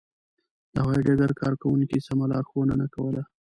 د هوایي ډګر کارکوونکو سمه لارښوونه نه کوله.